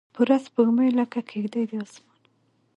پوره سپوږمۍ لکه کیږدۍ د اسمان